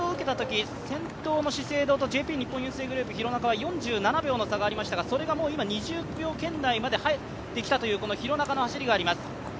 先頭の資生堂とＪＰ日本郵政グループの廣中は４７秒の差がありましたがそれが２０秒圏内まで入ってきたという廣中の走りがあります。